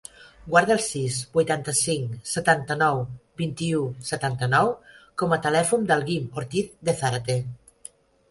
Guarda el sis, vuitanta-cinc, setanta-nou, vint-i-u, setanta-nou com a telèfon del Guim Ortiz De Zarate.